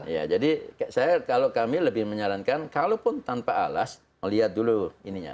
ya jadi kalau kami lebih menyarankan kalaupun tanpa alas melihat dulu ininya